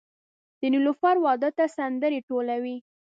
د نیلوفر واده ته سندرې ټولوي